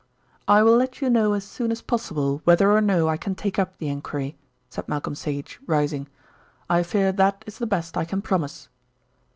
"I will let you know as soon as possible whether or no I can take up the enquiry," said Malcolm Sage, rising. "I fear that is the best I can promise."